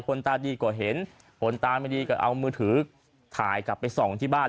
ตาดีกว่าเห็นคนตาไม่ดีก็เอามือถือถ่ายกลับไปส่องที่บ้าน